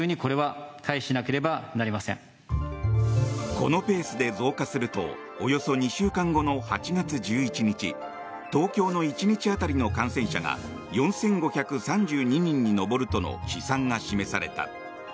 このペースで増加するとおよそ２週間後の８月１１日東京の１日当たりの感染者が４５３２人に上るとの試算が示された。